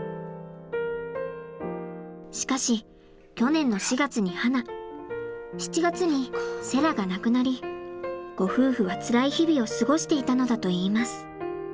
しかし去年の４月にはな７月にセラが亡くなりご夫婦はつらい日々を過ごしていたのだといいます。